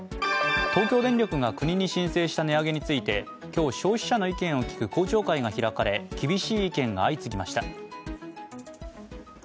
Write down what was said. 東京電力が国に申請した値上げについて今日、消費者の意見を聞く公聴会が開かれ厳しい意見が相次ぎました。